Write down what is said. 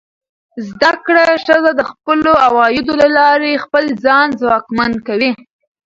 زده کړه ښځه د خپلو عوایدو له لارې خپل ځان ځواکمن کوي.